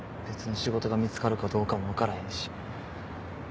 別の仕事が見つかるかどうかも分からへんし。